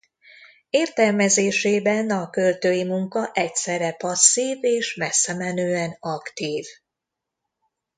Értelmezésében a költői munka egyszerre passzív és messzemenően aktív.